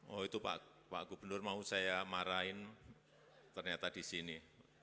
oh itu pak gubernur mau saya marahin ternyata di sini